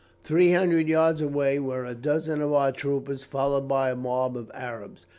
Three hundred yards away were a dozen of our troopers, followed by a mob of Arabs.